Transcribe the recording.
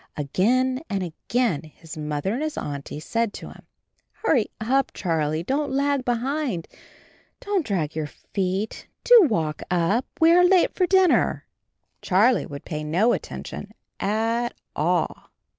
Again and again his Mother and his Auntie said to him, "Hurry up, Charlie; donH lag behind, don^t drag your feet, do walk up — ^we are late for dinner." Charlie would pay no attention at all.